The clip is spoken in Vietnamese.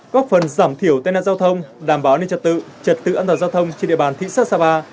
góp phần giảm thiểu tên nạn giao thông đảm bảo nên trật tự trật tự an toàn giao thông trên địa bàn thị xã xà và